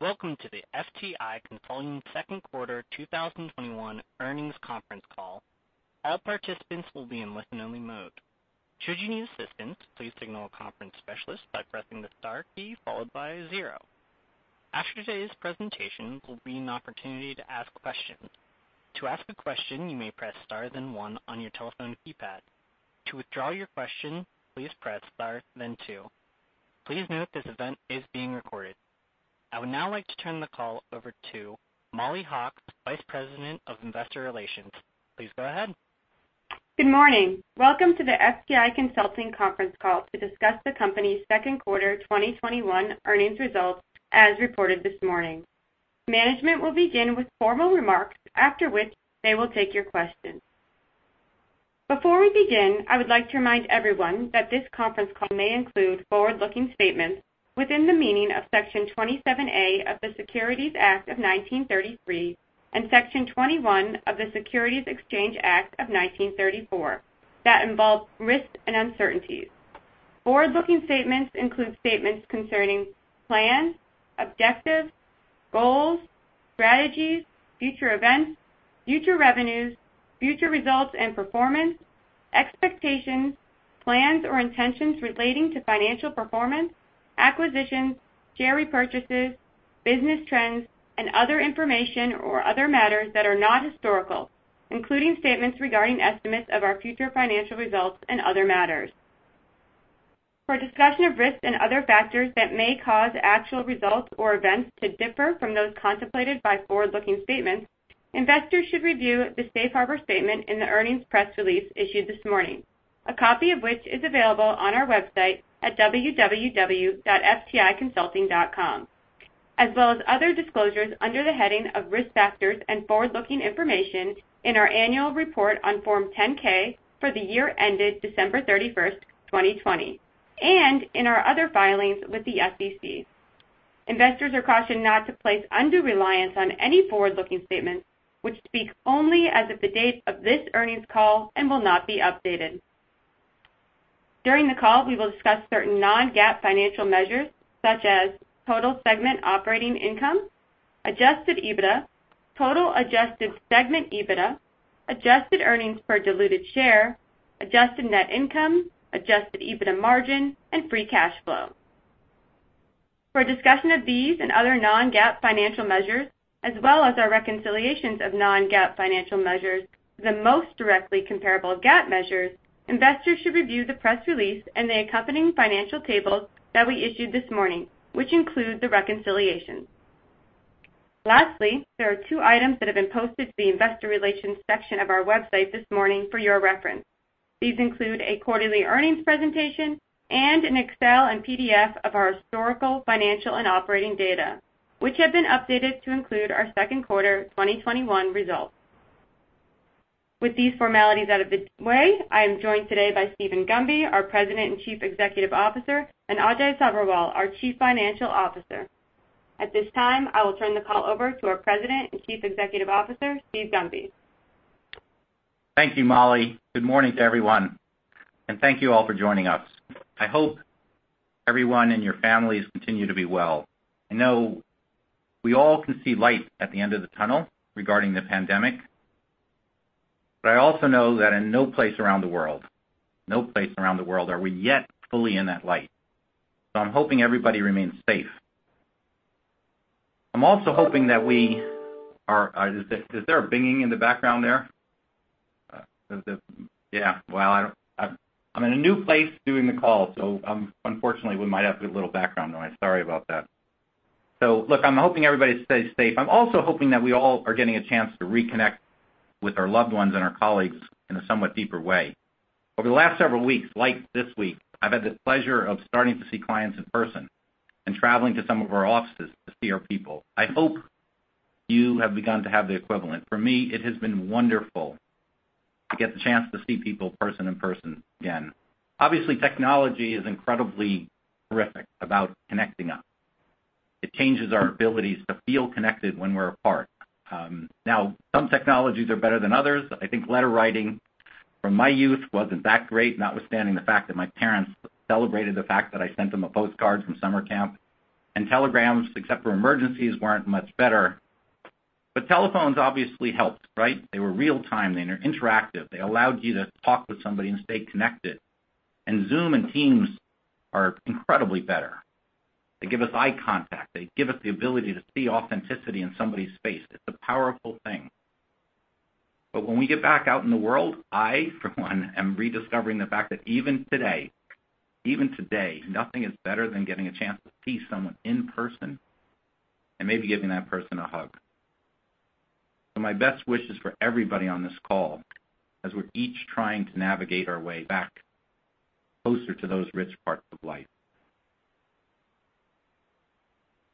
Welcome to the FTI Consulting second quarter 2021 earnings conference call. All participants will be in listen-only mode. To join the event, please signal a conference specialist by pressing the star key followed by a zero. After today's presentations, there will be an opportunity to ask questions. To ask a question, you may press star then one on your telephone keypad. To withdraw your question, please press star then two. Please note this event is being recorded. I would now like to turn the call over to Mollie Hawkes, Vice President of Investor Relations. Please go ahead. Good morning. Welcome to the FTI Consulting conference call to discuss the company's second quarter 2021 earnings results, as reported this morning. Management will begin with formal remarks, after which they will take your questions. Before we begin, I would like to remind everyone that this conference call may include forward-looking statements within the meaning of Section 27A of the Securities Act of 1933 and Section 21E of the Securities Exchange Act of 1934 that involve risks and uncertainties. Forward-looking statements include statements concerning plans, objectives, goals, strategies, future events, future revenues, future results and performance, expectations, plans, or intentions relating to financial performance, acquisitions, share repurchases, business trends, and other information or other matters that are not historical, including statements regarding estimates of our future financial results and other matters. For a discussion of risks and other factors that may cause actual results or events to differ from those contemplated by forward-looking statements, investors should review the safe harbor statement in the earnings press release issued this morning, a copy of which is available on our website at www.fticonsulting.com, as well as other disclosures under the heading of Risk Factors and Forward-Looking Information in our annual report on Form 10-K for the year ended December 31st, 2020, and in our other filings with the SEC. Investors are cautioned not to place undue reliance on any forward-looking statements, which speak only as of the date of this earnings call and will not be updated. During the call, we will discuss certain non-GAAP financial measures such as total segment operating income, adjusted EBITDA, total adjusted segment EBITDA, adjusted earnings per diluted share, adjusted net income, adjusted EBITDA margin, and free cash flow. For a discussion of these and other non-GAAP financial measures, as well as our reconciliations of non-GAAP financial measures to the most directly comparable GAAP measures, investors should review the press release and the accompanying financial tables that we issued this morning, which include the reconciliations. There are two items that have been posted to the Investor Relations section of our website this morning for your reference. These include a quarterly earnings presentation and an Excel and PDF of our historical financial and operating data, which have been updated to include our second quarter 2021 results. With these formalities out of the way, I am joined today by Steven Gunby, our President and Chief Executive Officer, and Ajay Sabherwal, our Chief Financial Officer. At this time, I will turn the call over to our President and Chief Executive Officer, Steven Gunby. Thank you, Mollie. Good morning to everyone, and thank you all for joining us. I hope everyone and your families continue to be well. I know we all can see light at the end of the tunnel regarding the pandemic, but I also know that in no place around the world are we yet fully in that light. I'm hoping everybody remains safe. I'm also hoping that we are Is there a pinging in the background there? Yeah. I'm in a new place doing the call, unfortunately, we might have a little background noise. Sorry about that. Look, I'm hoping everybody stays safe. I'm also hoping that we all are getting a chance to reconnect with our loved ones and our colleagues in a somewhat deeper way. Over the last several weeks, like this week, I've had the pleasure of starting to see clients in person and traveling to some of our offices to see our people. I hope you have begun to have the equivalent. For me, it has been wonderful to get the chance to see people person and person again. Obviously, technology is incredibly terrific about connecting us. It changes our abilities to feel connected when we're apart. Now, some technologies are better than others. I think letter writing from my youth wasn't that great, notwithstanding the fact that my parents celebrated the fact that I sent them a postcard from summer camp. Telegrams, except for emergencies, weren't much better. Telephones obviously helped, right? They were real-time. They were interactive. They allowed you to talk with somebody and stay connected. Zoom and Teams are incredibly better. They give us eye contact. They give us the ability to see authenticity in somebody's face. It's a powerful thing. When we get back out in the world, I, for one, am rediscovering the fact that even today, nothing is better than getting a chance to see someone in person and maybe giving that person a hug. My best wishes for everybody on this call as we're each trying to navigate our way back closer to those rich parts of life.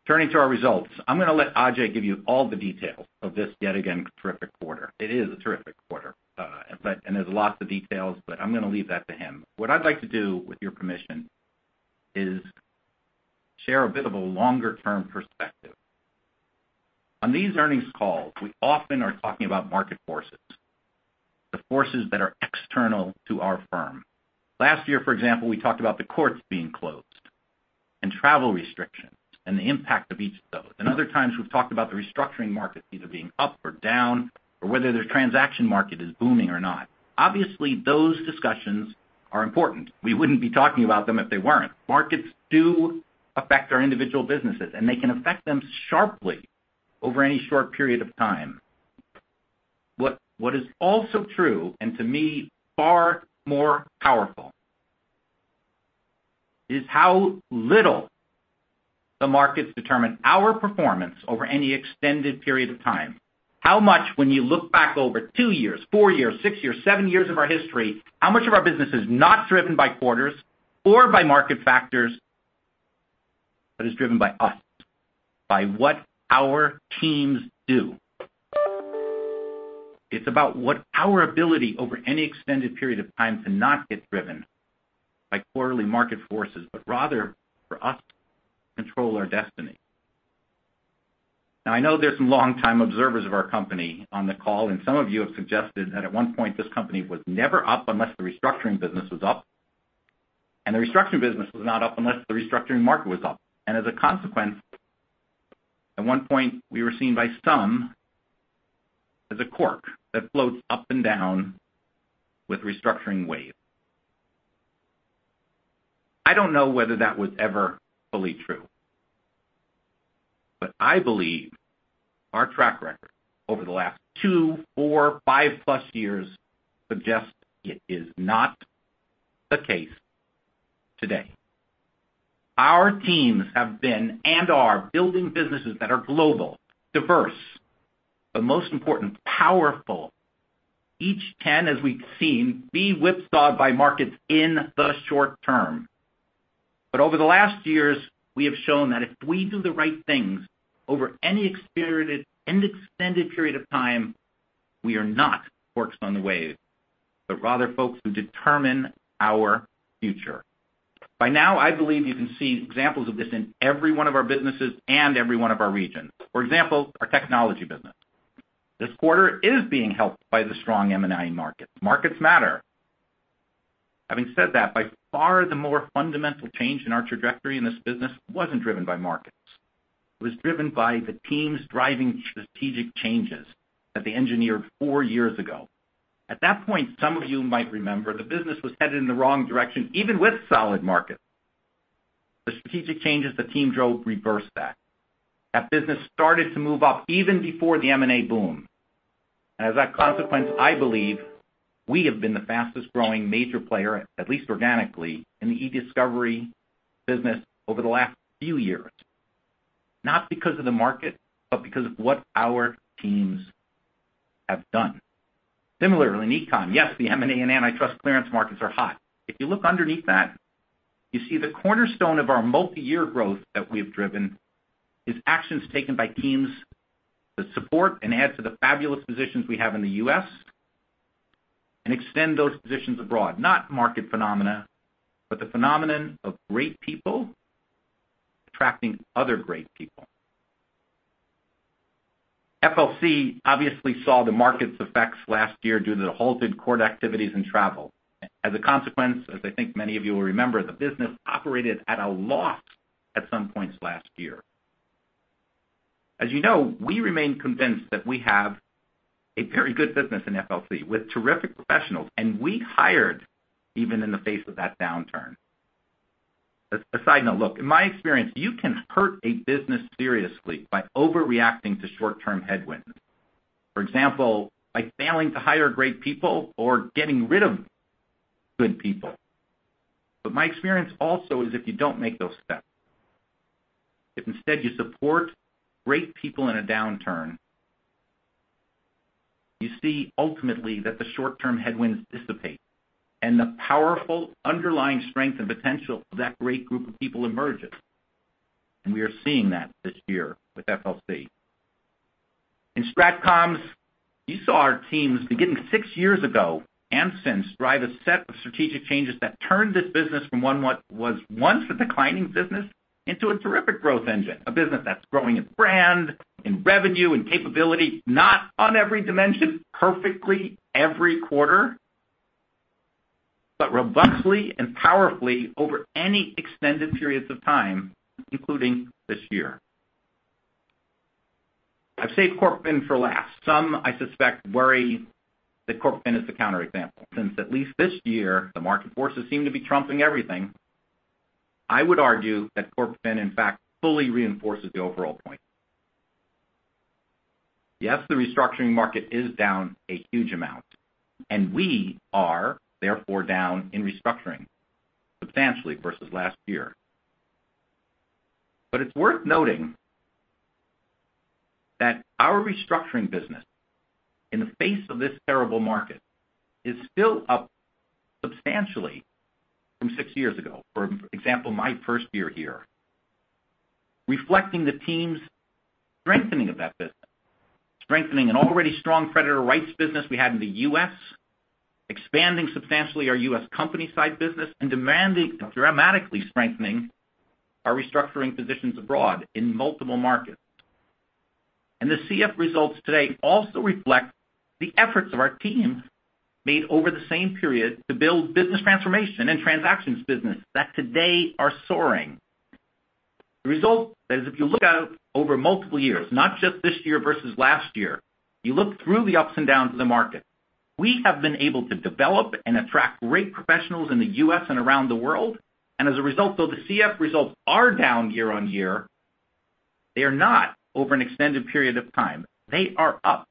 Turning to our results, I'm going to let Ajay give you all the details of this yet again, terrific quarter. It is a terrific quarter, and there's lots of details, but I'm going to leave that to him. What I'd like to do, with your permission, is share a bit of a longer-term perspective. On these earnings calls, we often are talking about market forces, the forces that are external to our firm. Last year, for example, we talked about the courts being closed and travel restrictions, and the impact of each of those. Other times we've talked about the restructuring market either being up or down, or whether the transaction market is booming or not. Obviously, those discussions are important. We wouldn't be talking about them if they weren't. Markets do affect our individual businesses, and they can affect them sharply over any short period of time. What is also true, and to me far more powerful, is how little the markets determine our performance over any extended period of time. How much, when you look back over two years, four years, six years, seven years of our history, how much of our business is not driven by quarters or by market factors, but is driven by us, by what our teams do. It's about what our ability over any extended period of time to not get driven by quarterly market forces, but rather for us to control our destiny. Now, I know there's some longtime observers of our company on the call, and some of you have suggested that at one point this company was never up unless the restructuring business was up, and the restructuring business was not up unless the restructuring market was up. As a consequence, at one point, we were seen by some as a cork that floats up and down with restructuring waves. I don't know whether that was ever fully true, but I believe our track record over the last two, four, five plus years suggests it is not the case today. Our teams have been and are building businesses that are global, diverse, but most important, powerful. Each can, as we've seen, be whipsawed by markets in the short term. Over the last years, we have shown that if we do the right things over any extended period of time, we are not corks on the wave, but rather folks who determine our future. By now, I believe you can see examples of this in every one of our businesses and every one of our regions. For example, our Technology business. This quarter is being helped by the strong M&A markets. Markets matter. Having said that, by far, the more fundamental change in our trajectory in this business wasn't driven by markets. It was driven by the teams driving strategic changes that they engineered four years ago. At that point, some of you might remember the business was headed in the wrong direction, even with solid markets. The strategic changes the team drove reversed that. That business started to move up even before the M&A boom. As a consequence, I believe we have been the fastest-growing major player, at least organically, in the e-discovery business over the last few years. Not because of the market, but because of what our teams have done. Similarly in Econ, yes, the M&A and antitrust clearance markets are hot. If you look underneath that, you see the cornerstone of our multi-year growth that we've driven is actions taken by teams that support and add to the fabulous positions we have in the U.S. and extend those positions abroad. Not market phenomena, but the phenomenon of great people attracting other great people. FLC obviously saw the market's effects last year due to the halted court activities and travel. As a consequence, as I think many of you will remember, the business operated at a loss at some points last year. As you know, we remain convinced that we have a very good business in FLC with terrific professionals, and we hired even in the face of that downturn. As a side note, look, in my experience, you can hurt a business seriously by overreacting to short-term headwinds. For example, by failing to hire great people or getting rid of good people. My experience also is if you don't make those steps, if instead you support great people in a downturn, you see ultimately that the short-term headwinds dissipate and the powerful underlying strength and potential of that great group of people emerges. We are seeing that this year with FLC. In Stratcoms, you saw our teams beginning six years ago and since drive a set of strategic changes that turned this business from what was once a declining business into a terrific growth engine, a business that's growing its brand, in revenue, in capability, not on every dimension perfectly every quarter, but robustly and powerfully over any extended periods of time, including this year. I've saved CorpFin for last. Some, I suspect, worry that CorpFin is the counterexample. Since at least this year, the market forces seem to be trumping everything. I would argue that CorpFin, in fact, fully reinforces the overall point. Yes, the restructuring market is down a huge amount, and we are therefore down in restructuring substantially versus last year. It's worth noting that our restructuring business, in the face of this terrible market, is still up substantially from six years ago. For example, my first year here, reflecting the team's strengthening of that business. Strengthening an already strong creditor rights business we had in the U.S., expanding substantially our U.S. company side business, and dramatically strengthening our restructuring positions abroad in multiple markets. The CF results today also reflect the efforts of our teams made over the same period to build business transformation and transactions business that today are soaring. The result is, if you look out over multiple years, not just this year versus last year, you look through the ups and downs of the market, we have been able to develop and attract great professionals in the U.S. and around the world. As a result, though the CF results are down year-on-year, they are not over an extended period of time. They are up.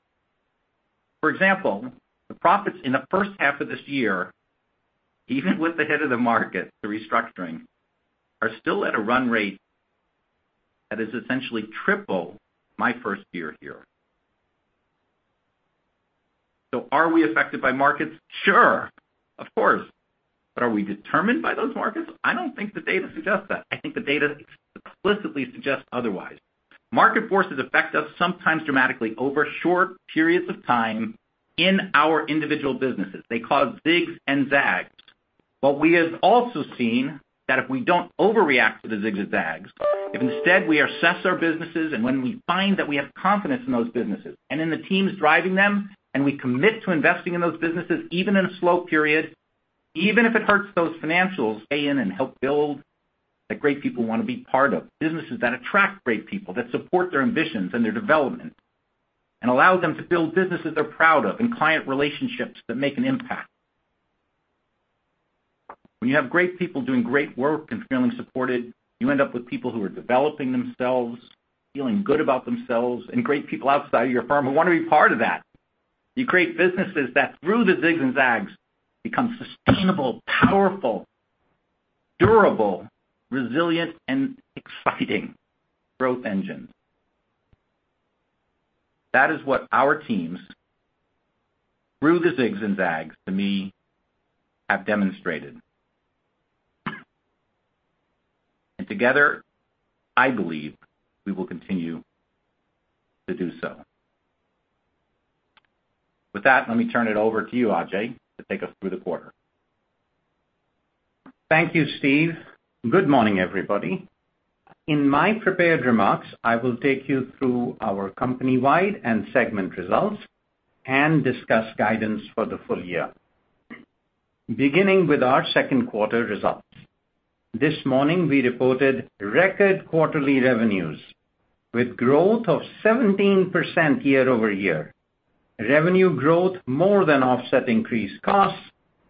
For example, the profits in the first half of this year, even with the hit of the market, the restructuring, are still at a run rate that is essentially 3x my first year here. Are we affected by markets? Sure, of course. Are we determined by those markets? I don't think the data suggests that. I think the data explicitly suggests otherwise. Market forces affect us, sometimes dramatically, over short periods of time in our individual businesses. They cause zigs and zags. We have also seen that if we don't overreact to the zigs and zags, if instead we assess our businesses, and when we find that we have confidence in those businesses and in the teams driving them, and we commit to investing in those businesses, even in a slow period, even if it hurts those financials. Stay in and help build the great people want to be part of. Businesses that attract great people, that support their ambitions and their development, and allow them to build businesses they're proud of and client relationships that make an impact. When you have great people doing great work and feeling supported, you end up with people who are developing themselves, feeling good about themselves, and great people outside of your firm who want to be part of that. You create businesses that, through the zigs and zags, become sustainable, powerful, durable, resilient, and exciting growth engines. That is what our teams, through the zigs and zags, to me, have demonstrated. Together, I believe we will continue to do so. With that, let me turn it over to you, Ajay, to take us through the quarter. Thank you, Steve. Good morning, everybody. In my prepared remarks, I will take you through our company-wide and segment results and discuss guidance for the full year. Beginning with our second quarter results. This morning, we reported record quarterly revenues with growth of 17% year-over-year. Revenue growth more than offset increased costs,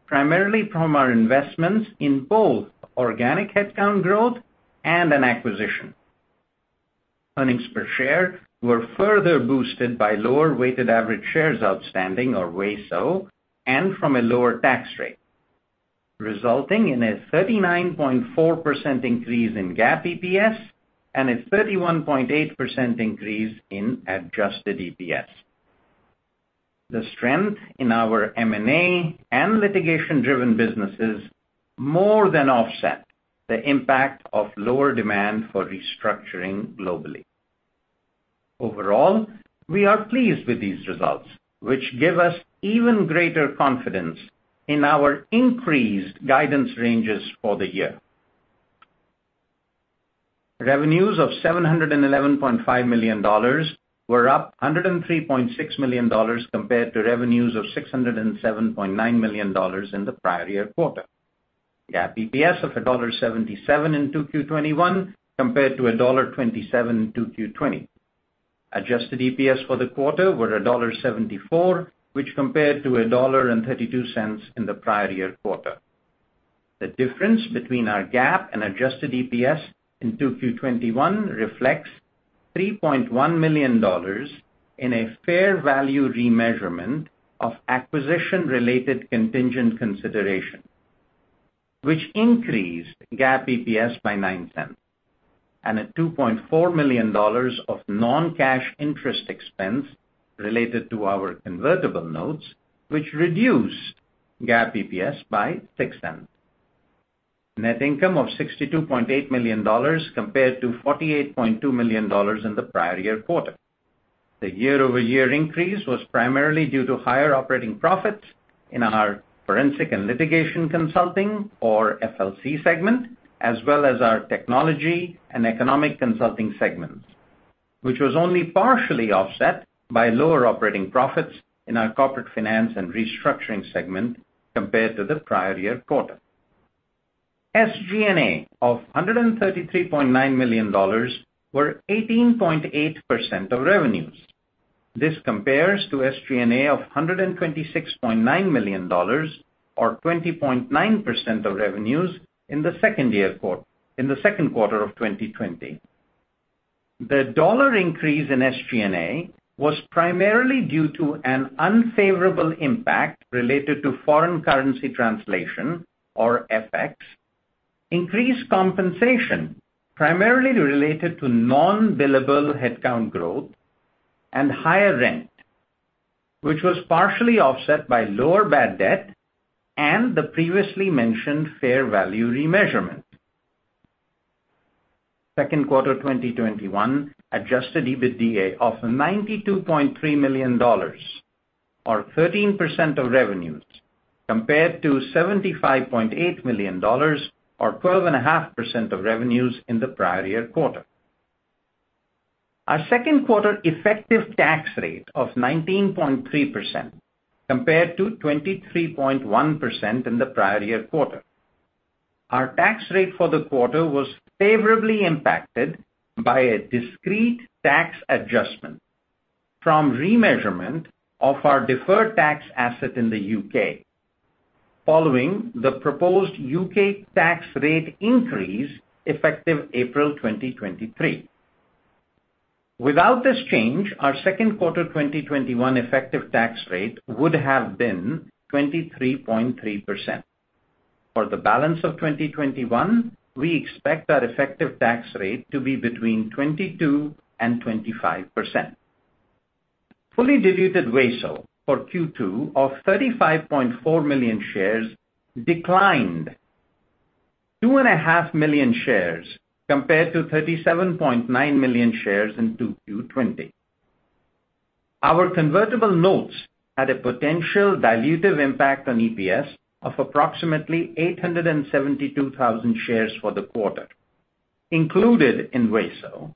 primarily from our investments in both organic headcount growth and an acquisition. Earnings per share were further boosted by lower weighted average shares outstanding, or WASO, and from a lower tax rate, resulting in a 39.4% increase in GAAP EPS and a 31.8% increase in adjusted EPS. The strength in our M&A and litigation-driven businesses more than offset the impact of lower demand for restructuring globally. Overall, we are pleased with these results, which give us even greater confidence in our increased guidance ranges for the year. Revenues of $711.5 million were up $103.6 million compared to revenues of $607.9 million in the prior year quarter. GAAP EPS of $1.77 in 2Q21 compared to $1.27 in 2Q20. Adjusted EPS for the quarter were $1.74, which compared to $1.32 in the prior year quarter. The difference between our GAAP and adjusted EPS in 2Q21 reflects $3.1 million in a fair value remeasurement of acquisition-related contingent consideration, which increased GAAP EPS by $0.09, and a $2.4 million of non-cash interest expense related to our convertible notes, which reduced GAAP EPS by $0.06. Net income of $62.8 million compared to $48.2 million in the prior year quarter. The year-over-year increase was primarily due to higher operating profits in our Forensic and Litigation Consulting, or FLC segment, as well as our Technology and Economic Consulting segments, which was only partially offset by lower operating profits in our Corporate Finance & Restructuring segment compared to the prior year quarter. SG&A of $133.9 million were 18.8% of revenues. This compares to SG&A of $126.9 million or 20.9% of revenues in the second quarter of 2020. The dollar increase in SG&A was primarily due to an unfavorable impact related to foreign currency translation, or FX, increased compensation, primarily related to non-billable headcount growth and higher rent, which was partially offset by lower bad debt and the previously mentioned fair value remeasurement. Second quarter 2021 adjusted EBITDA of $92.3 million, or 13% of revenues, compared to $75.8 million, or 12.5% of revenues in the prior year quarter. Our second quarter effective tax rate of 19.3% compared to 23.1% in the prior year quarter. Our tax rate for the quarter was favorably impacted by a discrete tax adjustment from remeasurement of our deferred tax asset in the U.K. following the proposed U.K. tax rate increase effective April 2023. Without this change, our second quarter 2021 effective tax rate would have been 23.3%. For the balance of 2021, we expect our effective tax rate to be between 22% and 25%. Fully diluted WASO for Q2 of 35.4 million shares declined 2.5 million shares compared to 37.9 million shares in 2Q20. Our convertible notes had a potential dilutive impact on EPS of approximately 872,000 shares for the quarter. Included in WASO,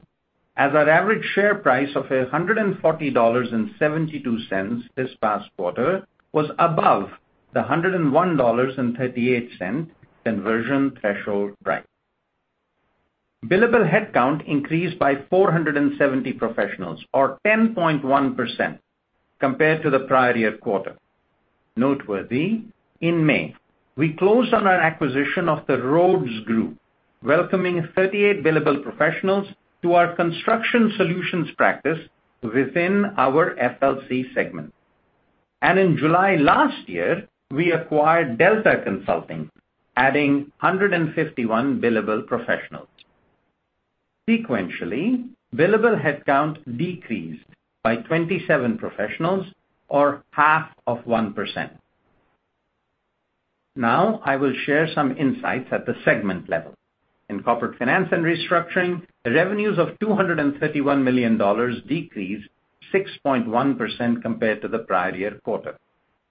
as our average share price of $140.72 this past quarter was above the $101.38 conversion threshold price. Billable headcount increased by 470 professionals, or 10.1% compared to the prior-year quarter. Noteworthy, in May, we closed on our acquisition of The Rhodes Group, welcoming 38 billable professionals to our construction solutions practice within our FLC segment. In July last year, we acquired Delta Partners, adding 151 billable professionals. Sequentially, billable headcount decreased by 27 professionals or 0.5%. Now, I will share some insights at the segment level. In Corporate Finance & Restructuring, revenues of $231 million decreased 6.1% compared to the prior-year quarter.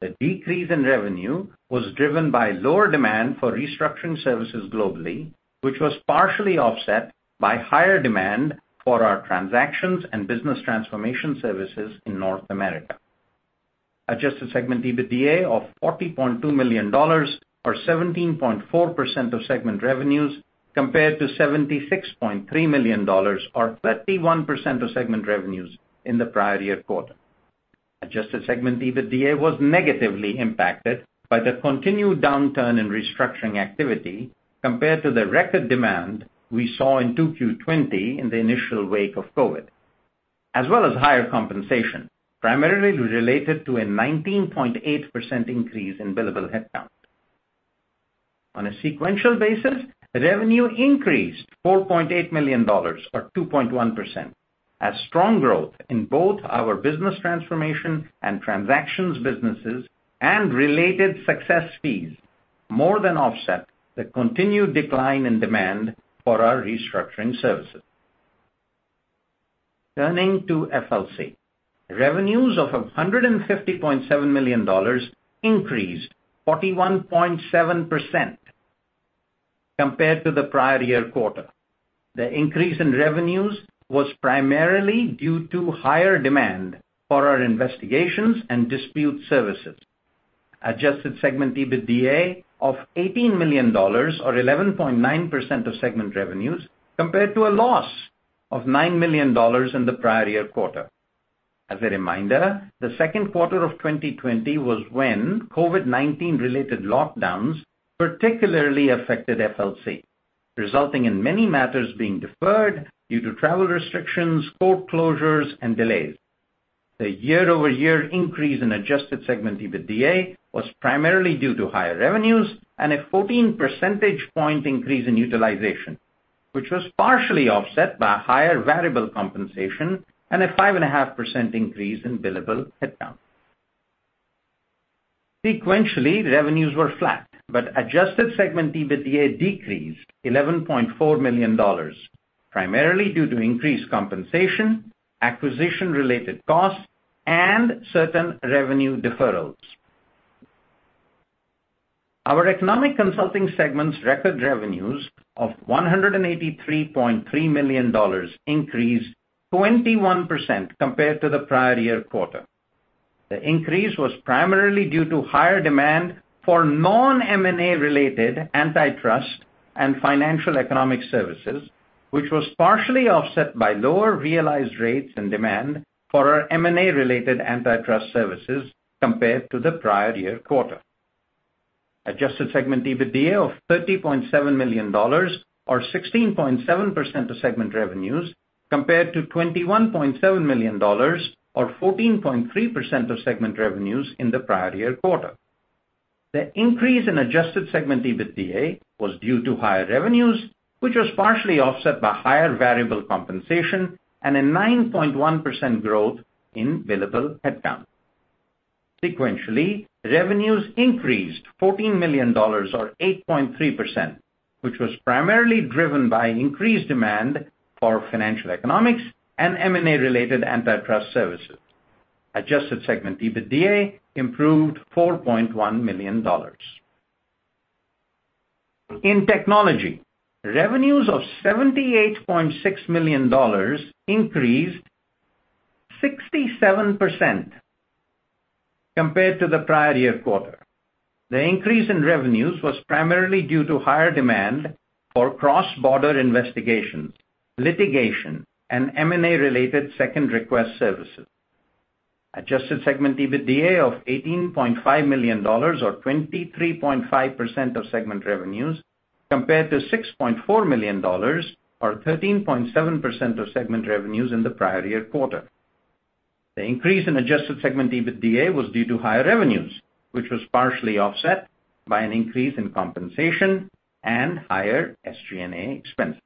The decrease in revenue was driven by lower demand for restructuring services globally, which was partially offset by higher demand for our transactions and business transformation services in North America. Adjusted segment EBITDA of $40.2 million or 17.4% of segment revenues compared to $76.3 million or 31% of segment revenues in the prior-year quarter. Adjusted segment EBITDA was negatively impacted by the continued downturn in restructuring activity compared to the record demand we saw in 2Q20 in the initial wake of COVID, as well as higher compensation, primarily related to a 19.8% increase in billable headcount. On a sequential basis, revenue increased $4.8 million or 2.1%, as strong growth in both our business transformation and transactions businesses and related success fees more than offset the continued decline in demand for our restructuring services. Turning to FLC. Revenues of $150.7 million increased 41.7% compared to the prior year quarter. The increase in revenues was primarily due to higher demand for our investigations and dispute services. Adjusted segment EBITDA of $18 million or 11.9% of segment revenues compared to a loss of $9 million in the prior year quarter. As a reminder, the second quarter of 2020 was when COVID-19 related lockdowns particularly affected FLC, resulting in many matters being deferred due to travel restrictions, court closures, and delays. The year-over-year increase in adjusted segment EBITDA was primarily due to higher revenues and a 14 percentage point increase in utilization, which was partially offset by higher variable compensation and a 5.5% increase in billable headcount. Sequentially, revenues were flat, but adjusted segment EBITDA decreased $11.4 million, primarily due to increased compensation, acquisition-related costs, and certain revenue deferrals. Our Economic Consulting segment's record revenues of $183.3 million increased 21% compared to the prior year quarter. The increase was primarily due to higher demand for non-M&A related antitrust and financial economic services, which was partially offset by lower realized rates and demand for our M&A related antitrust services compared to the prior year quarter. Adjusted segment EBITDA of $30.7 million or 16.7% of segment revenues compared to $21.7 million or 14.3% of segment revenues in the prior year quarter. The increase in adjusted segment EBITDA was due to higher revenues, which was partially offset by higher variable compensation and a 9.1% growth in billable headcount. Sequentially, revenues increased $14 million or 8.3%, which was primarily driven by increased demand for financial economics and M&A related antitrust services. Adjusted segment EBITDA improved $4.1 million. In Technology, revenues of $78.6 million increased 67% compared to the prior year quarter. The increase in revenues was primarily due to higher demand for cross-border investigations, litigation, and M&A related second request services. Adjusted segment EBITDA of $18.5 million or 23.5% of segment revenues compared to $6.4 million or 13.7% of segment revenues in the prior year quarter. The increase in adjusted segment EBITDA was due to higher revenues, which was partially offset by an increase in compensation and higher SG&A expenses.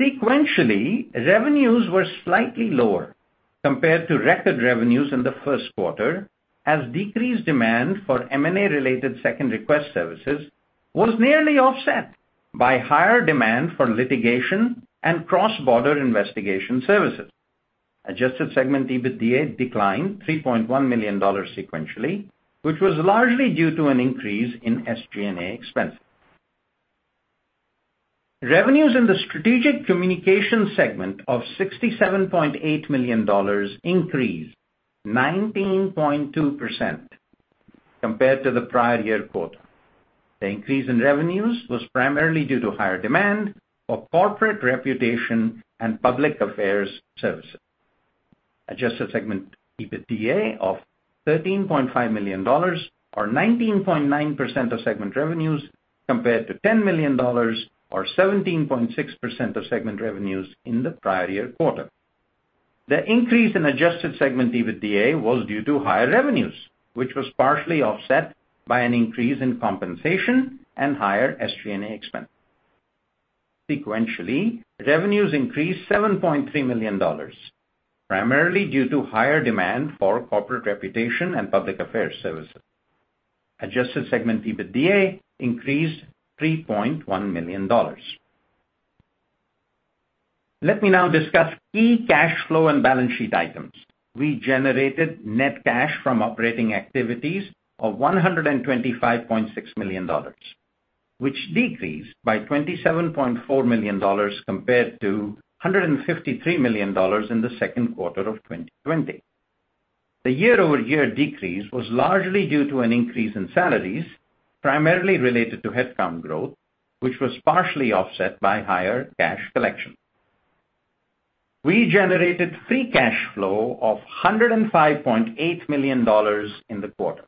Sequentially, revenues were slightly lower compared to record revenues in the first quarter, as decreased demand for M&A related second request services was nearly offset by higher demand for litigation and cross-border investigation services. Adjusted segment EBITDA declined $3.1 million sequentially, which was largely due to an increase in SG&A expenses. Revenues in the Strategic Communications segment of $67.8 million increased 19.2% compared to the prior year quarter. The increase in revenues was primarily due to higher demand for corporate reputation and public affairs services. Adjusted segment EBITDA of $13.5 million or 19.9% of segment revenues compared to $10 million or 17.6% of segment revenues in the prior year quarter. The increase in adjusted segment EBITDA was due to higher revenues, which was partially offset by an increase in compensation and higher SG&A expenses. Sequentially, revenues increased $7.3 million, primarily due to higher demand for corporate reputation and public affairs services. Adjusted segment EBITDA increased $3.1 million. Let me now discuss key cash flow and balance sheet items. We generated net cash from operating activities of $125.6 million, which decreased by $27.4 million compared to $153 million in the second quarter of 2020. The year-over-year decrease was largely due to an increase in salaries, primarily related to headcount growth, which was partially offset by higher cash collections. We generated free cash flow of $105.8 million in the quarter.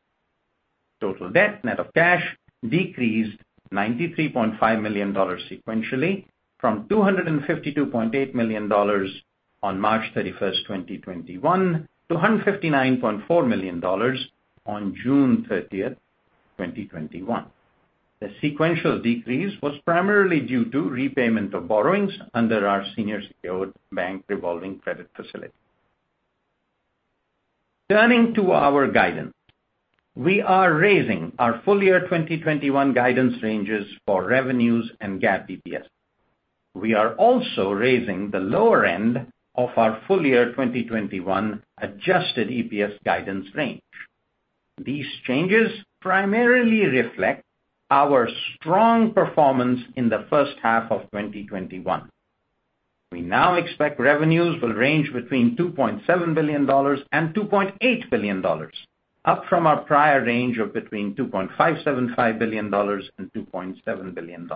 Total debt net of cash decreased $93.5 million sequentially from $252.8 million on March 31st, 2021 to $159.4 million on June 30th, 2021. The sequential decrease was primarily due to repayment of borrowings under our senior secured bank revolving credit facility. Turning to our guidance. We are raising our full-year 2021 guidance ranges for revenues and GAAP EPS. We are also raising the lower end of our full-year 2021 adjusted EPS guidance range. These changes primarily reflect our strong performance in the first half of 2021. We now expect revenues will range between $2.7 billion and $2.8 billion, up from our prior range of between $2.575 billion and $2.7 billion.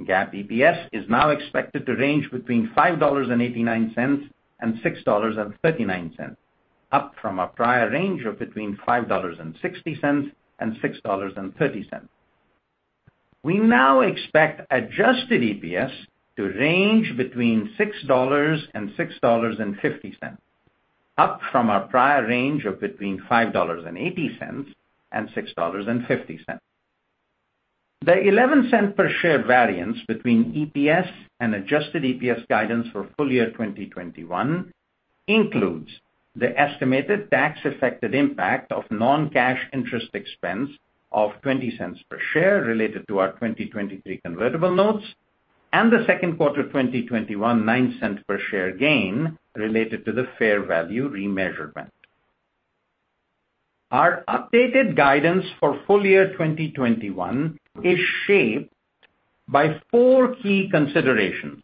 GAAP EPS is now expected to range between $5.89 and $6.39, up from a prior range of between $5.60 and $6.30. We now expect adjusted EPS to range between $6 and $6.50, up from our prior range of between $5.80 and $6.50. The $0.11 per share variance between EPS and adjusted EPS guidance for full year 2021 includes the estimated tax affected impact of non-cash interest expense of $0.20 per share related to our 2023 convertible notes, and the second quarter 2021 $0.09 per share gain related to the fair value remeasurement. Our updated guidance for full year 2021 is shaped by four key considerations.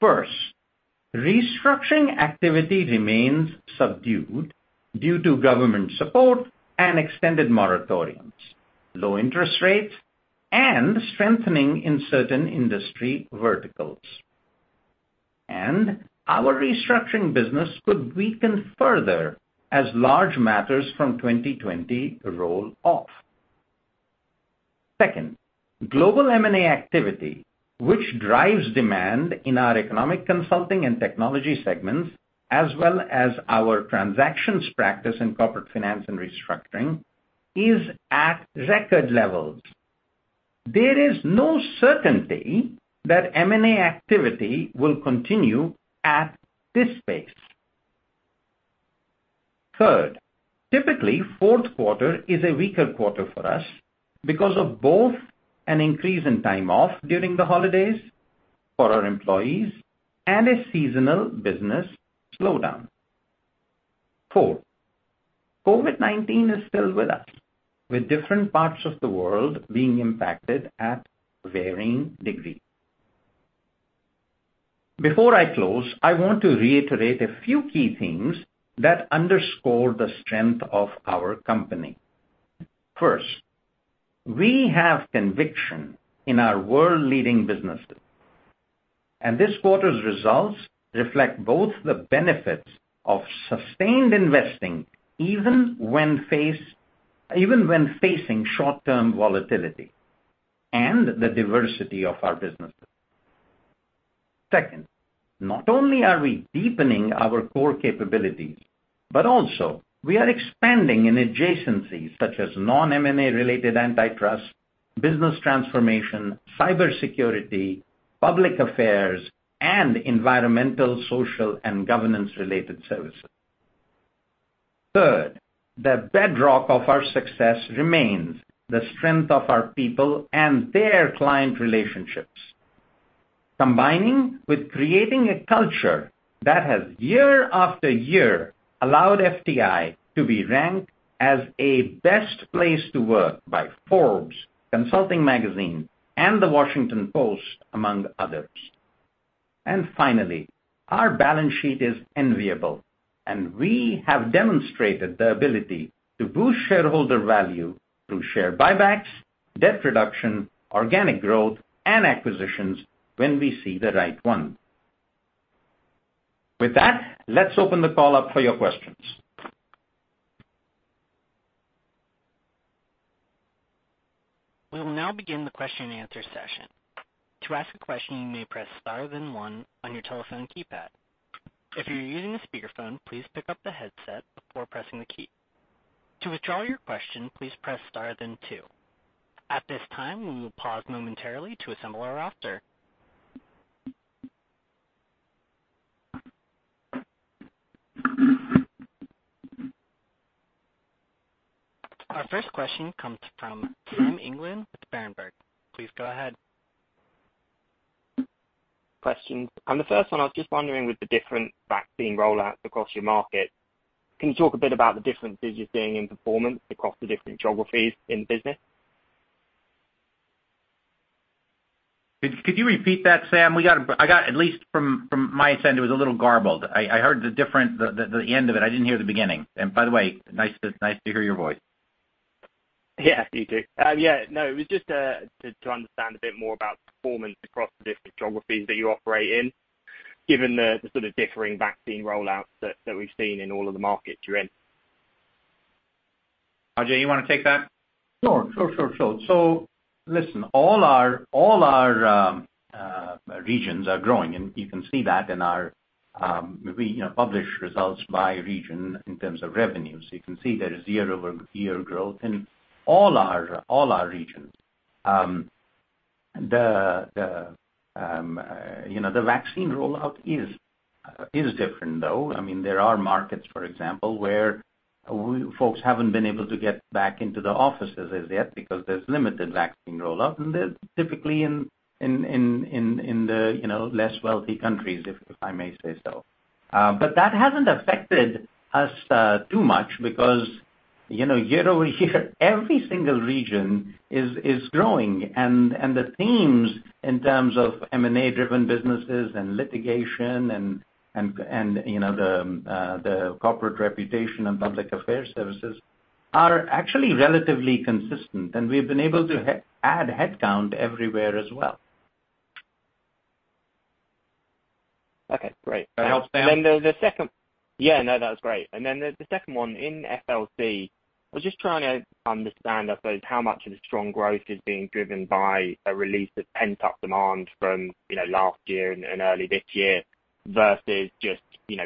First, restructuring activity remains subdued due to government support and extended moratoriums, low interest rates, and strengthening in certain industry verticals. Our restructuring business could weaken further as large matters from 2020 roll off. Second, global M&A activity, which drives demand in our Economic Consulting and Technology segments, as well as our transactions practice in Corporate Finance & Restructuring, is at record levels. There is no certainty that M&A activity will continue at this pace. Third, typically, fourth quarter is a weaker quarter for us because of both an increase in time off during the holidays for our employees and a seasonal business slowdown. Four, COVID-19 is still with us, with different parts of the world being impacted at varying degree. Before I close, I want to reiterate a few key things that underscore the strength of our company. First, we have conviction in our world-leading businesses, and this quarter's results reflect both the benefits of sustained investing even when facing short-term volatility and the diversity of our businesses. Second, not only are we deepening our core capabilities, but also we are expanding in adjacencies such as non-M&A related antitrust, business transformation, cybersecurity, public affairs, and environmental, social, and governance related services. Third, the bedrock of our success remains the strength of our people and their client relationships. Combining with creating a culture that has year-after-year allowed FTI to be ranked as a best place to work by Forbes, Consulting magazine, and The Washington Post, among others. Finally, our balance sheet is enviable, and we have demonstrated the ability to boost shareholder value through share buybacks, debt reduction, organic growth, and acquisitions when we see the right one. With that, let's open the call up for your questions. We'll now begin the question and answer session. To ask a question, you may press star then one on your telephone keypad. If you're using a speakerphone, please pick up the headset before pressing the key. To withdraw your question, please press star then two. At this time, we will pause momentarily to assemble our roster. Our first question comes from Sam England with Berenberg. Please go ahead. Questions. On the first one, I was just wondering with the different vaccine rollouts across your market, can you talk a bit about the differences you're seeing in performance across the different geographies in the business? Could you repeat that, Sam? At least from my end, it was a little garbled. I heard the end of it. I didn't hear the beginning. By the way, nice to hear your voice. Yeah, you too. It was just to understand a bit more about performance across the different geographies that you operate in, given the sort of differing vaccine rollouts that we've seen in all of the markets you're in. Ajay, you want to take that? Listen, all our regions are growing, and you can see that. We publish results by region in terms of revenue. The vaccine rollout is different, though. There are markets, for example, where folks haven't been able to get back into the offices as yet because there's limited vaccine rollout, and they're typically in the less wealthy countries, if I may say so. That hasn't affected us too much because year-over-year, every single region is growing, and the themes in terms of M&A-driven businesses and litigation and the corporate reputation and public affairs services are actually relatively consistent. We've been able to add headcount everywhere as well. Okay, great. That helps, Sam? Yeah, no, that was great. The second one in FLC, I was just trying to understand, I suppose, how much of the strong growth is being driven by a release of pent-up demand from last year and early this year versus just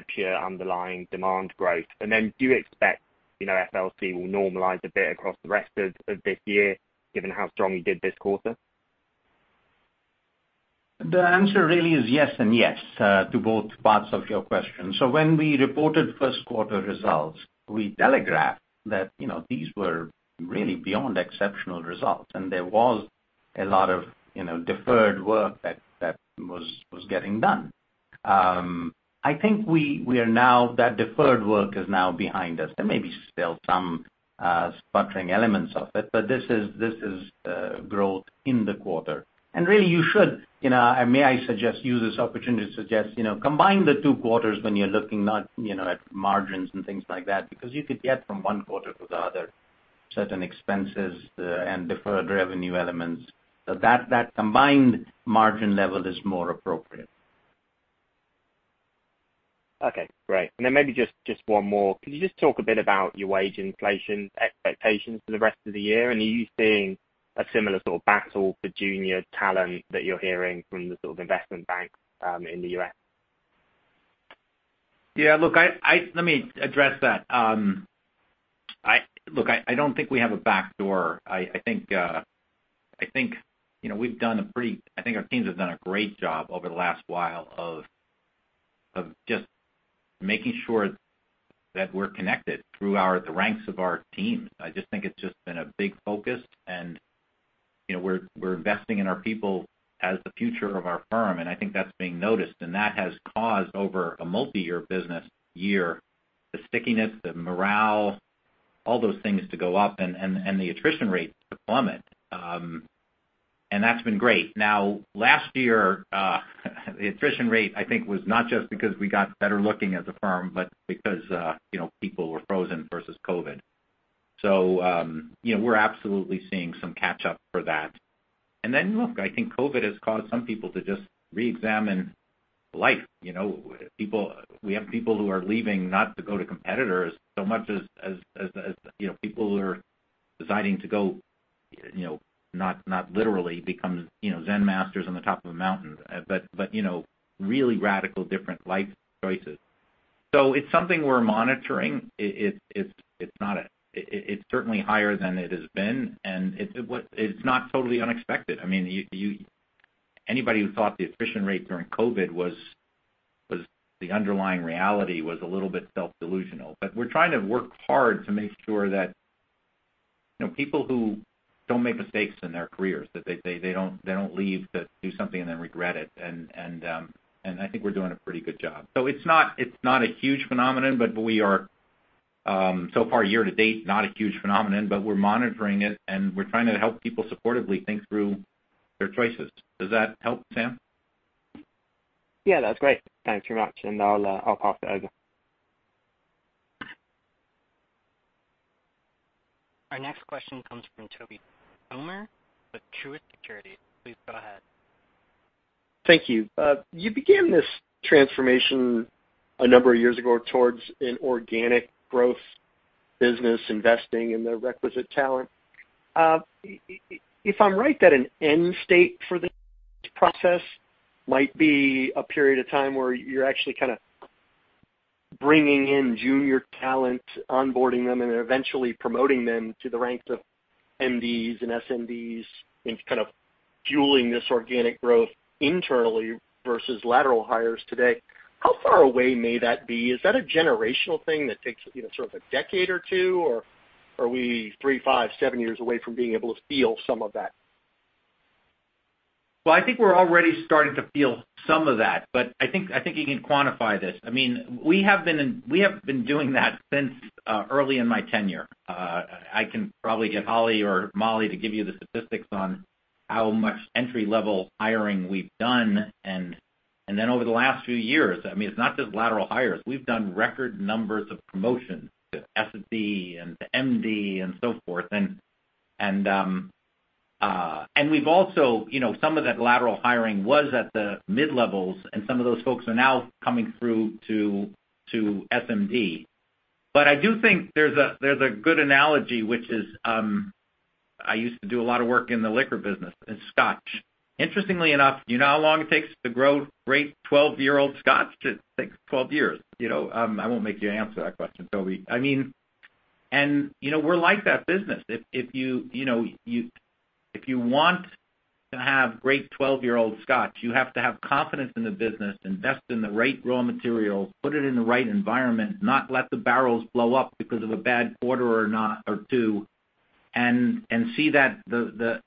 pure underlying demand growth. Do you expect FLC will normalize a bit across the rest of this year, given how strong you did this quarter? The answer really is yes and yes to both parts of your question. When we reported first quarter results, we telegraphed that these were really beyond exceptional results, and there was a lot of deferred work that was getting done. I think that deferred work is now behind us. There may be still some sputtering elements of it, but this is growth in the quarter. Really you should, may I suggest, use this opportunity to suggest, combine the two quarters when you're looking at margins and things like that, because you could get from one quarter to the other certain expenses and deferred revenue elements. That combined margin level is more appropriate. Okay, great. Maybe just one more. Could you just talk a bit about your wage inflation expectations for the rest of the year? Are you seeing a similar sort of battle for junior talent that you're hearing from the sort of investment banks in the U.S.? Yeah. Look, let me address that. Look, I don't think we have a backdoor. I think our teams have done a great job over the last while of just making sure that we're connected through the ranks of our teams. I just think it's just been a big focus, and we're investing in our people as the future of our firm, and I think that's being noticed. That has caused, over a multi-year business year, the stickiness, the morale, all those things to go up and the attrition rate to plummet. That's been great. Now, last year, the attrition rate, I think, was not just because we got better looking as a firm, but because people were frozen versus COVID. We're absolutely seeing some catch up for that. Look, I think COVID has caused some people to just reexamine life. We have people who are leaving not to go to competitors so much as people who are deciding to go, not literally become zen masters on the top of a mountain, but really radical different life choices. It's something we're monitoring. It's certainly higher than it has been, and it's not totally unexpected. Anybody who thought the attrition rate during COVID was the underlying reality was a little bit self-delusional. We're trying to work hard to make sure that people who don't make mistakes in their careers, that they don't leave to do something and then regret it. I think we're doing a pretty good job. It's not a huge phenomenon, but we are, so far, year to date, not a huge phenomenon, but we're monitoring it, and we're trying to help people supportively think through their choices. Does that help, Sam? Yeah, that's great. Thanks very much. I'll pass to Gunby. Our next question comes from Tobey Sommer with Truist Securities. Please go ahead. Thank you. You began this transformation a number of years ago towards an organic growth business, investing in the requisite talent. If I'm right that an end state for this process might be a period of time where you're actually kind of bringing in junior talent, onboarding them, and eventually promoting them to the ranks of MDs and SMDs and kind of fueling this organic growth internally versus lateral hires today. How far away may that be? Is that a generational thing that takes sort of a decade or two? Or are we three, five, seven years away from being able to feel some of that? I think we're already starting to feel some of that. I think you can quantify this. We have been doing that since early in my tenure. I can probably get Holly or Mollie to give you the statistics on how much entry-level hiring we've done. Over the last few years, it's not just lateral hires. We've done record numbers of promotions to SMD and to MD and so forth. We've also, some of that lateral hiring was at the mid-levels, and some of those folks are now coming through to SMD. I do think there's a good analogy, which is, I used to do a lot of work in the liquor business in scotch. Interestingly enough, do you know how long it takes to grow great 12-year-old scotch? It takes 12 years. I won't make you answer that question, Toby. We're like that business. If you want to have great 12-year-old scotch, you have to have confidence in the business, invest in the right raw materials, put it in the right environment, not let the barrels blow up because of a bad quarter or two, and see that the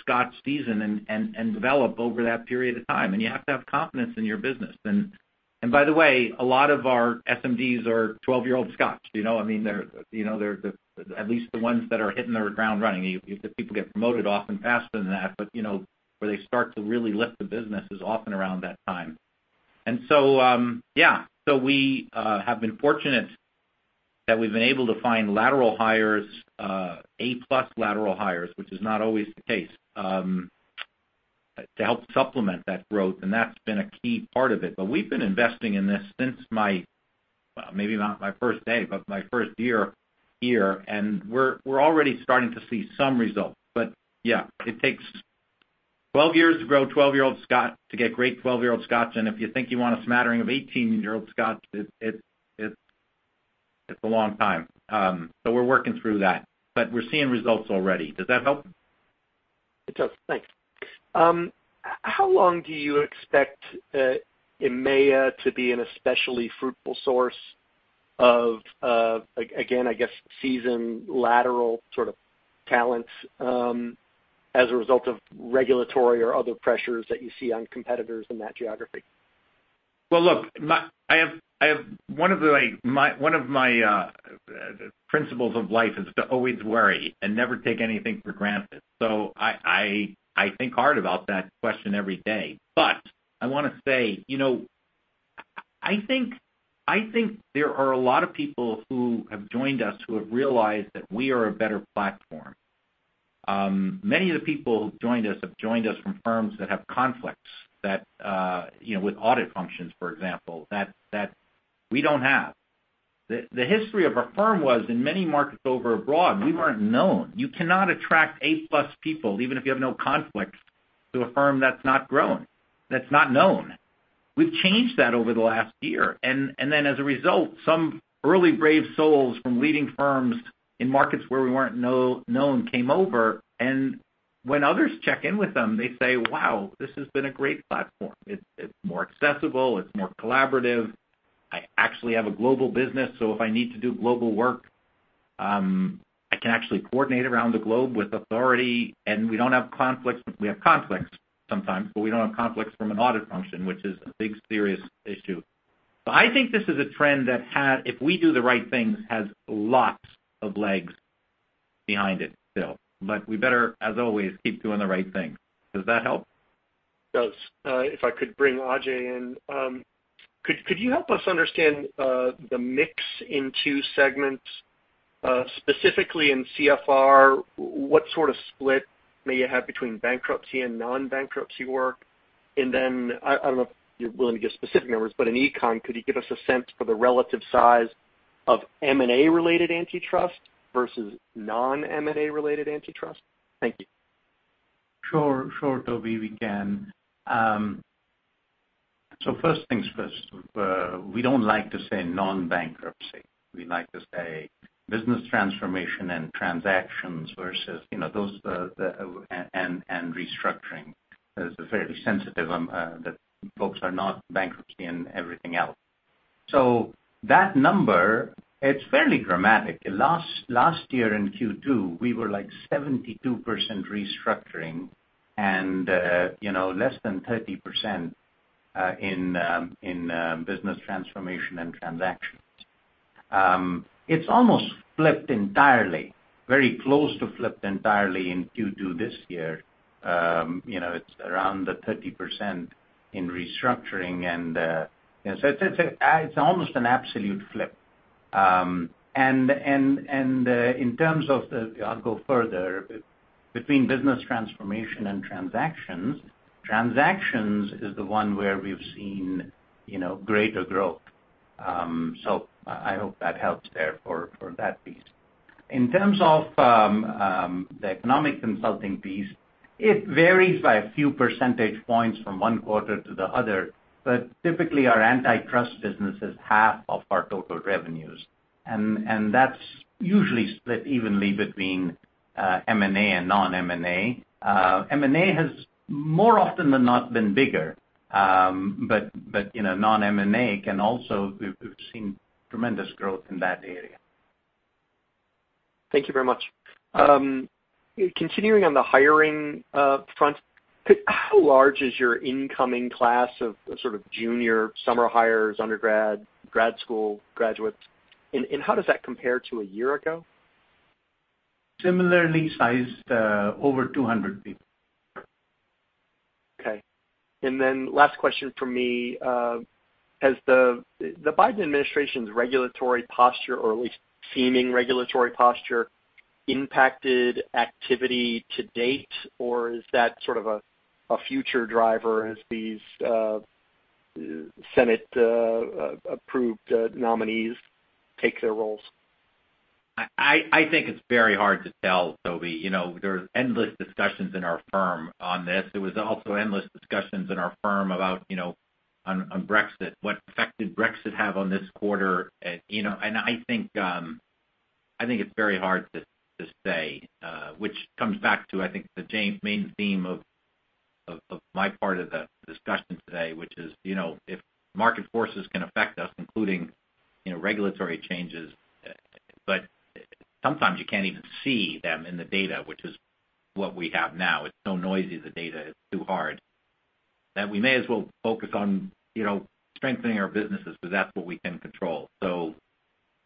scotch season and develop over that period of time. You have to have confidence in your business. By the way, a lot of our SMDs are 12-year-old scotch. At least the ones that are hitting the ground running. The people get promoted often faster than that, but where they start to really lift the business is often around that time. We have been fortunate that we've been able to find lateral hires, A+ lateral hires, which is not always the case, to help supplement that growth, and that's been a key part of it. We've been investing in this since my, well, maybe not my first day, but my first year here, and we're already starting to see some results. Yeah, it takes 12 years to grow 12-year-old scotch to get great 12-year-old scotch, and if you think you want a smattering of 18-year-old scotch, it's a long time. We're working through that. We're seeing results already. Does that help? It does, thanks. How long do you expect EMEA to be an especially fruitful source of, again, I guess, seasoned lateral sort of talents as a result of regulatory or other pressures that you see on competitors in that geography? Look, one of my principles of life is to always worry and never take anything for granted. I think hard about that question every day. I want to say, I think there are a lot of people who have joined us who have realized that we are a better platform. Many of the people who've joined us have joined us from firms that have conflicts that with audit functions, for example, that we don't have. The history of our firm was in many markets over abroad, we weren't known. You cannot attract A-plus people, even if you have no conflict, to a firm that's not grown, that's not known. We've changed that over the last year. As a result, some early brave souls from leading firms in markets where we weren't known came over, and when others check in with them, they say, "Wow, this has been a great platform. It's more accessible, it's more collaborative. I actually have a global business, so if I need to do global work, I can actually coordinate around the globe with authority. We don't have conflicts. We have conflicts sometimes, but we don't have conflicts from an audit function, which is a big, serious issue." I think this is a trend that had, if we do the right things, has lots of legs behind it still. We better, as always, keep doing the right thing. Does that help? It does. If I could bring Ajay in. Could you help us understand the mix in two segments, specifically in CFR, what sort of split may you have between bankruptcy and non-bankruptcy work? I don't know if you're willing to give specific numbers, but in econ, could you give us a sense for the relative size of M&A related antitrust versus non-M&A related antitrust? Thank you. Sure, Toby, we can. First things first, we don't like to say non-bankruptcy. We like to say business transformation and transactions and restructuring. It's very sensitive that folks are not bankruptcy and everything else. That number, it's fairly dramatic. Last year in Q2, we were like 72% restructuring and less than 30% in business transformation and transactions. It's almost flipped entirely, very close to flipped entirely in Q2 this year. It's around 30% in restructuring. It's almost an absolute flip. I'll go further. Between business transformation and transactions is the one where we've seen greater growth. I hope that helps there for that piece. In terms of the Economic Consulting piece, it varies by a few percentage points from one quarter to the other. Typically, our antitrust business is half of our total revenues, and that's usually split evenly between M&A and non-M&A. M&A has more often than not been bigger. Non-M&A can also, we've seen tremendous growth in that area. Thank you very much. Continuing on the hiring front, how large is your incoming class of sort of junior summer hires, undergrad, grad school graduates, and how does that compare to a year ago? Similarly sized, over 200 people. Okay. Last question from me. Has the Biden administration's regulatory posture, or at least seeming regulatory posture, impacted activity to date? Is that sort of a future driver as these Senate-approved nominees take their roles? I think it's very hard to tell, Tobey. There's endless discussions in our firm on this. There was also endless discussions in our firm about on Brexit, what effect did Brexit have on this quarter? I think it's very hard to say, which comes back to, I think, the main theme of my part of the discussion today, which is if market forces can affect us, including regulatory changes. Sometimes you can't even see them in the data, which is what we have now. It's so noisy, the data. It's too hard. That we may as well focus on strengthening our businesses because that's what we can control.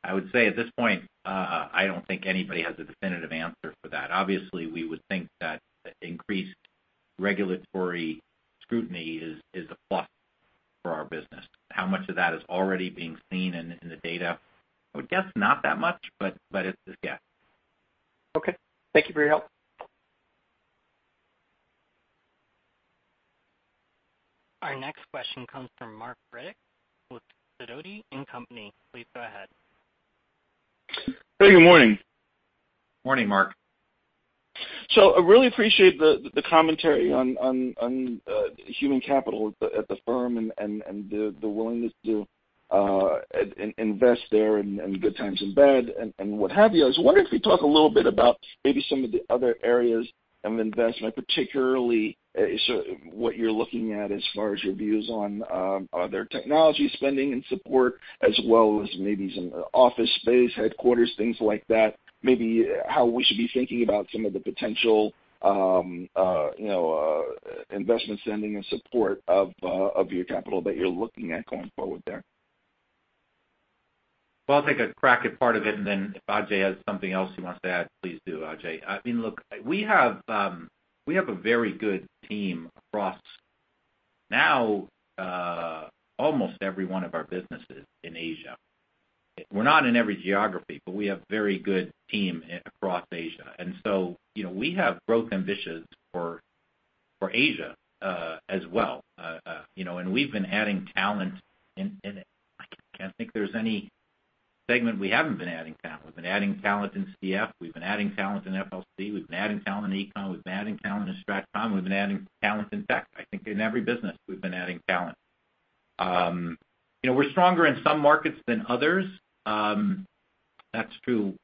I would say at this point, I don't think anybody has a definitive answer for that. Obviously, we would think that increased regulatory scrutiny is a plus for our business. How much of that is already being seen in the data? I would guess not that much, but it's a guess. Okay. Thank you for your help. Our next question comes from Marc Robins with Sidoti & Company. Please go ahead. Hey, good morning. Morning, Marc. I really appreciate the commentary on human capital at the firm and the willingness to invest there in good times and bad and what have you. I was wondering if you could talk a little bit about maybe some of the other areas of investment, particularly what you're looking at as far as your views on other technology spending and support as well as maybe some office space, headquarters, things like that. How we should be thinking about some of the potential investment spending and support of your capital that you're looking at going forward there. Well, I'll take a crack at part of it, and then if Ajay has something else he wants to add, please do, Ajay. Look, we have a very good team across now almost every one of our businesses in Asia. We're not in every geography, but we have very good team across Asia. We have growth ambitions for Asia as well. We've been adding talent in I can't think there's any segment we haven't been adding talent. We've been adding talent in CF. We've been adding talent in FLC. We've been adding talent in Econ. We've been adding talent in Strat Comm. We've been adding talent in Tech. I think in every business, we've been adding talent. We're stronger in some markets than others. That's true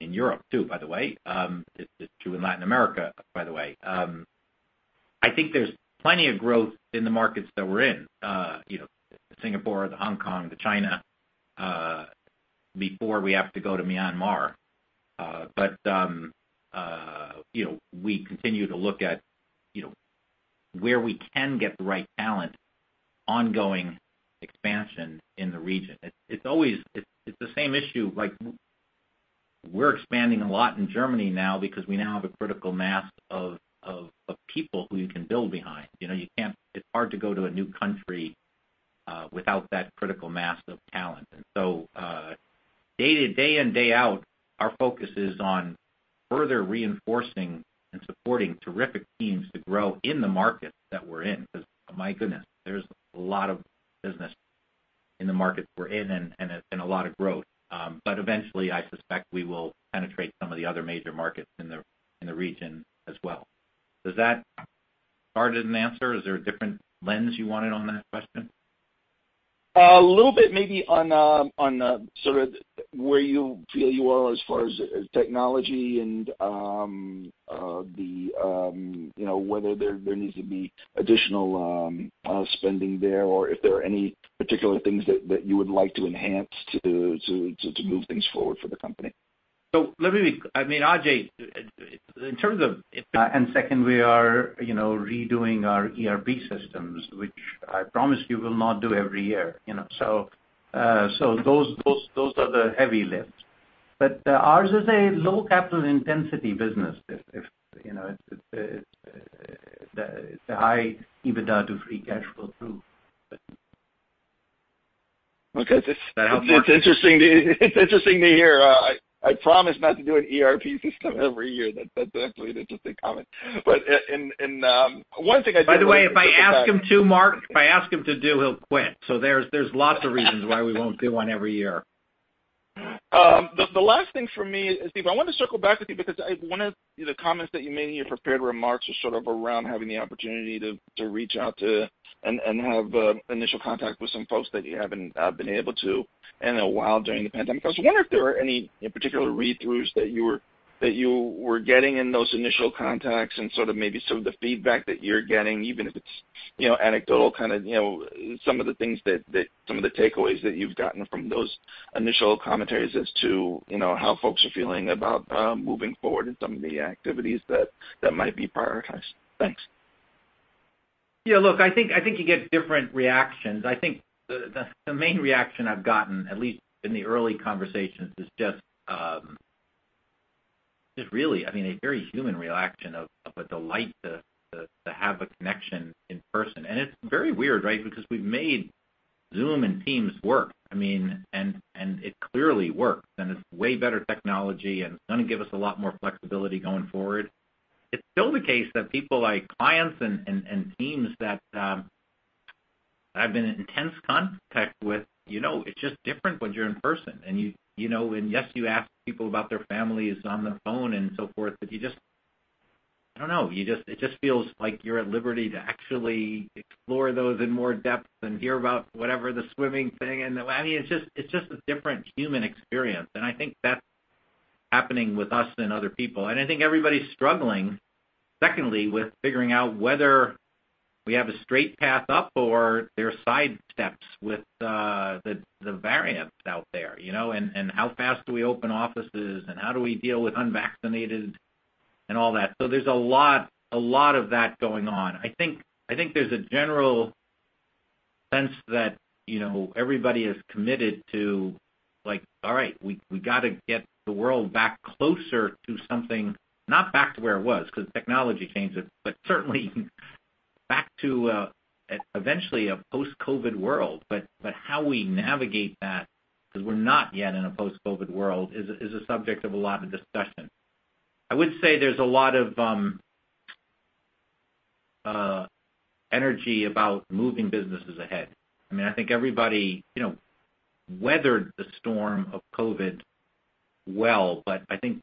in Europe too, by the way. It's true in Latin America, by the way. I think there's plenty of growth in the markets that we're in, the Singapore, the Hong Kong, the China, before we have to go to Myanmar. We continue to look at where we can get the right talent, ongoing expansion in the region. It's the same issue. We're expanding a lot in Germany now because we now have a critical mass of people who you can build behind. It's hard to go to a new country without that critical mass of talent. Day in, day out, our focus is on further reinforcing and supporting terrific teams to grow in the markets that we're in because, my goodness, there's a lot of business in the markets we're in and a lot of growth. Eventually, I suspect we will penetrate some of the other major markets in the region as well. Does that Hard to answer? Is there a different lens you wanted on that question? A little bit maybe on sort of where you feel you are as far as technology and whether there needs to be additional spending there, or if there are any particular things that you would like to enhance to move things forward for the company. Ajay, in terms of- Second, we are redoing our ERP systems, which I promise you we'll not do every year. Those are the heavy lifts. Ours is a low capital intensity business. The high EBITDA to free cash flow too. Okay. Does that help, Marc? It's interesting to hear. I promise not to do an ERP system every year. That's actually an interesting comment. One thing I do want to- By the way, Marc, if I ask him to do, he'll quit. There's lots of reasons why we won't do one every year. The last thing for me is, Steven, I want to circle back with you because one of the comments that you made in your prepared remarks was sort of around having the opportunity to reach out to, and have initial contact with some folks that you haven't been able to in a while during the pandemic. I was wondering if there were any particular read-throughs that you were getting in those initial contacts and sort of maybe some of the feedback that you're getting, even if it's anecdotal, kind of some of the things that the takeaways that you've gotten from those initial commentaries as to how folks are feeling about moving forward and some of the activities that might be prioritized. Thanks. Yeah, look, I think you get different reactions. I think the main reaction I've gotten, at least in the early conversations, is just really a very human reaction of a delight to have a connection in person. It's very weird, right? Because we've made Zoom and Teams work, it clearly works, it's way better technology, it's going to give us a lot more flexibility going forward. It's still the case that people like clients and teams that I've been in intense contact with, it's just different when you're in person. Yes, you ask people about their families on the phone and so forth, but I don't know. It just feels like you're at liberty to actually explore those in more depth and hear about whatever the swimming thing and It's just a different human experience, and I think that's happening with us and other people. I think everybody's struggling, secondly, with figuring out whether we have a straight path up or there are side steps with the variants out there, and how fast do we open offices, and how do we deal with unvaccinated and all that. There's a lot of that going on. I think there's a general sense that everybody is committed to like, all right, we got to get the world back closer to something, not back to where it was, because technology changed it, but certainly back to eventually a post-COVID world. How we navigate that, because we're not yet in a post-COVID world, is a subject of a lot of discussion. I would say there's a lot of energy about moving businesses ahead. I think everybody weathered the storm of COVID well. I think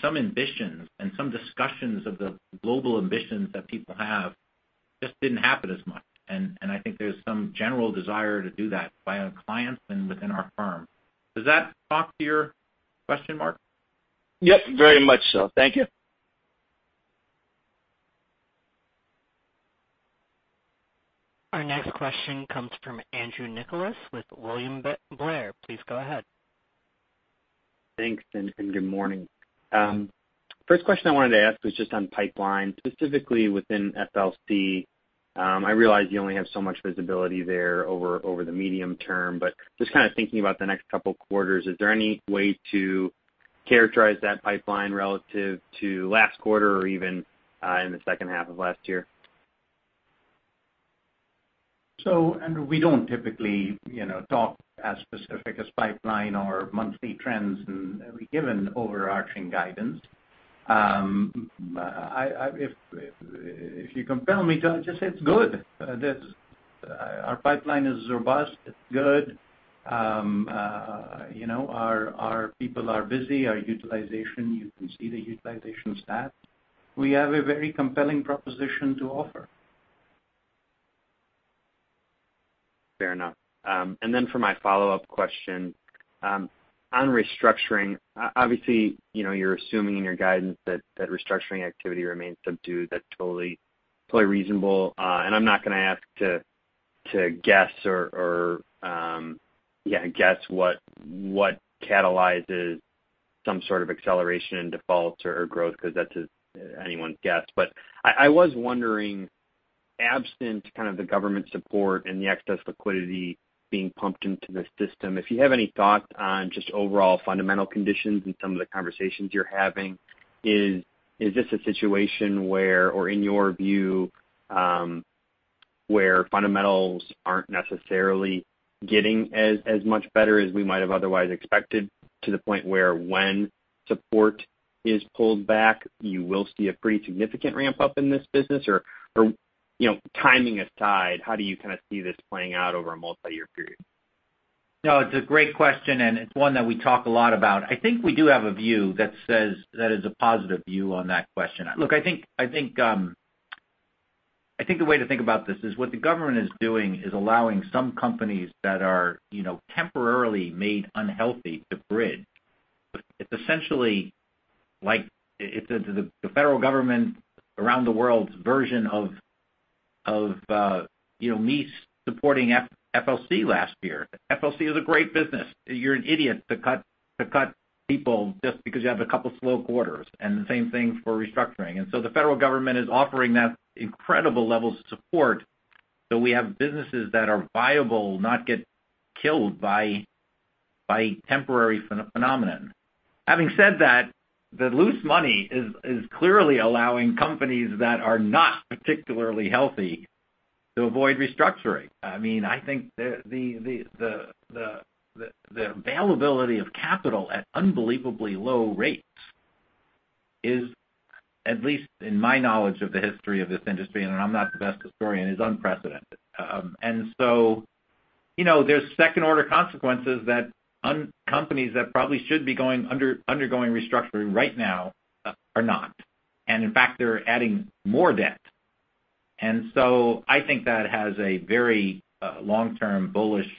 some ambitions and some discussions of the global ambitions that people have just didn't happen as much. I think there's some general desire to do that by our clients and within our firm. Does that talk to your question, Marc? Yep, very much so. Thank you. Our next question comes from Andrew Nicholas with William Blair. Please go ahead. Thanks, and good morning. First question I wanted to ask was just on pipeline, specifically within FLC. I realize you only have so much visibility there over the medium term, but just kind of thinking about the next couple quarters, is there any way to characterize that pipeline relative to last quarter or even in the second half of last year? We don't typically talk as specific as pipeline or monthly trends and we give an overarching guidance. If you compel me to, I'll just say it's good. Our pipeline is robust, it's good. Our people are busy, our utilization, you can see the utilization stat. We have a very compelling proposition to offer. Fair enough. For my follow-up question, on restructuring, obviously, you're assuming in your guidance that restructuring activity remains subdued. That's totally reasonable. I'm not going to ask to guess what catalyzes some sort of acceleration in defaults or growth because that's anyone's guess. I was wondering, absent kind of the government support and the excess liquidity being pumped into the system, if you have any thoughts on just overall fundamental conditions in some of the conversations you're having. Is this a situation where, or in your view, where fundamentals aren't necessarily getting as much better as we might have otherwise expected, to the point where when support is pulled back, you will see a pretty significant ramp-up in this business? Timing aside, how do you kind of see this playing out over a multi-year period? No, it's a great question, and it's one that we talk a lot about. I think we do have a view that is a positive view on that question. Look, I think the way to think about this is what the government is doing is allowing some companies that are temporarily made unhealthy to bridge. It's essentially like it's the federal government around the world's version of me supporting FLC last year. FLC is a great business. You're an idiot to cut people just because you have a couple slow quarters, and the same thing for restructuring. The federal government is offering that incredible level of support so we have businesses that are viable, not get killed by temporary phenomenon. Having said that, the loose money is clearly allowing companies that are not particularly healthy to avoid restructuring. I think the availability of capital at unbelievably low rates is, at least in my knowledge of the history of this industry, and I'm not the best historian, is unprecedented. There's second-order consequences that companies that probably should be undergoing restructuring right now are not. In fact, they're adding more debt. I think that has a very long-term bullish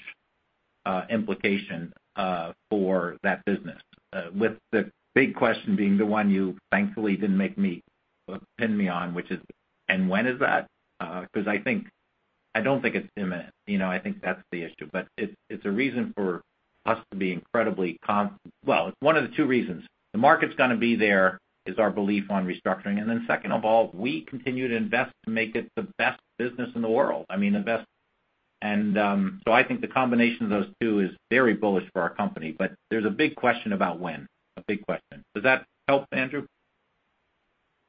implication for that business. With the big question being the one you thankfully didn't pin me on, which is and when is that? Because I don't think it's imminent. I think that's the issue. It's a reason for us to be incredibly well, it's one of the two reasons. The market's going to be there, is our belief on restructuring. Second of all, we continue to invest to make it the best business in the world. I think the combination of those two is very bullish for our company. There's a big question about when. A big question. Does that help, Andrew?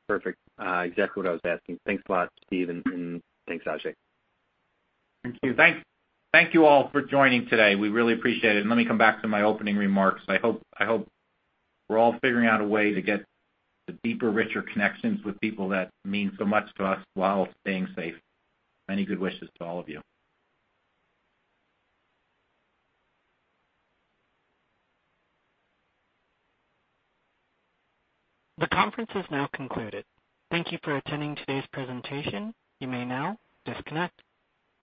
Perfect. Exactly what I was asking. Thanks a lot, Steve, and thanks, Ajay. Thank you all for joining today. We really appreciate it. Let me come back to my opening remarks. I hope we're all figuring out a way to get the deeper, richer connections with people that mean so much to us while staying safe. Many good wishes to all of you. The conference has now concluded. Thank you for attending today's presentation. You may now disconnect.